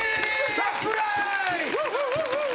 サプライズ！